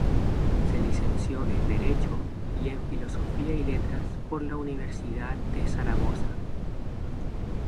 Se licenció en Derecho y en Filosofía y Letras por la Universidad de Zaragoza.